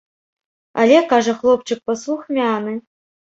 Але, кажа, хлопчык паслухмяны.